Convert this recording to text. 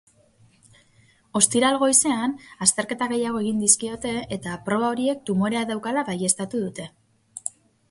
Ostiral goizean azterketa gehiago egin dizkiote eta proba horiek tumorea daukala baieztatu dute.